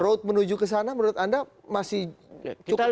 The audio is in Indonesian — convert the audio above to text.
road menuju ke sana menurut anda masih cukup